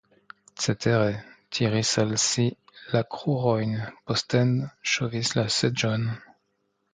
Cetere, tiris al si la krurojn, posten ŝovis la seĝon.